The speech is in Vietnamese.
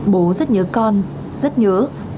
bố rất nhớ con rất nhớ